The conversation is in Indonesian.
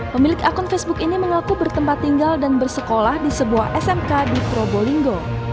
pemilik akun facebook ini mengaku bertempat tinggal dan bersekolah di sebuah smk di probolinggo